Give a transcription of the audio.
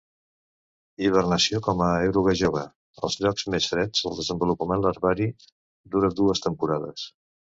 Hibernació com a eruga jove; als llocs més freds el desenvolupament larvari dura dues temporades.